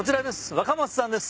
若松さんです。